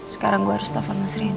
sekarang gue harus telfon mas reni